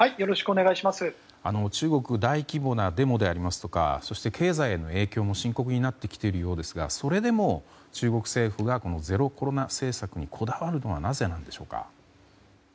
中国大規模なデモでありますとかそして経済への影響も深刻になってきているようですがそれでも中国政府がゼロコロナ政策にこだわるのはなぜなんでしょうか。